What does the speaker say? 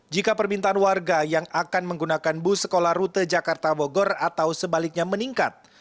jika permintaan warga yang akan menggunakan bus sekolah rute jakarta bogor atau sebaliknya meningkat